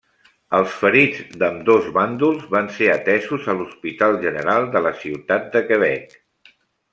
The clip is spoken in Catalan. Els ferits d'ambdós bàndols van ser atesos a l'Hospital General de la Ciutat de Quebec.